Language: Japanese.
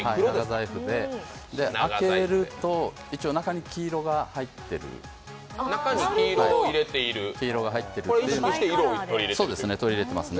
開けると一応中に黄色が入ってる、取り入れてますね。